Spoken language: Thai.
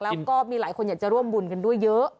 แล้วก็มีหลายคนอยากจะร่วมบุญกันด้วยเยอะ